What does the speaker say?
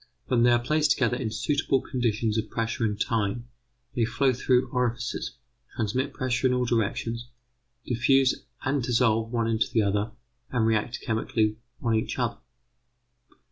When they are placed in suitable conditions of pressure and time, they flow through orifices, transmit pressure in all directions, diffuse and dissolve one into the other, and react chemically on each other.